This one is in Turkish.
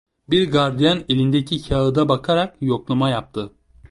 Bir gardiyan elindeki kağıda bakarak yoklama yaptı.